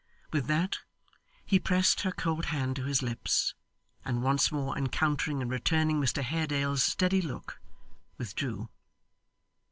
With that, he pressed her cold hand to his lips, and once more encountering and returning Mr Haredale's steady look, withdrew.